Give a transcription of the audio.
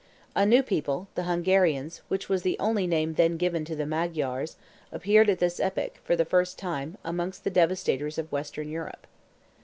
A new people, the Hungarians, which was the only name then given to the Magyars, appeared at this epoch, for the first time, amongst the devastators of Western Europe.